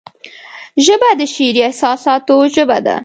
ژبه د شعري احساساتو ژبه ده